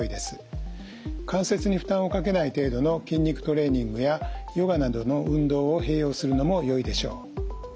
関節に負担をかけない程度の筋肉トレーニングやヨガなどの運動を併用するのもよいでしょう。